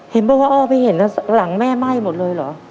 เห็นบอกว่าอ้อไปเห็นหลังแม่ไหม้หมดเลยเหรอ